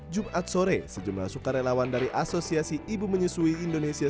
jumat sore sejumlah sukarelawan dari asosiasi ibu menyusui indonesia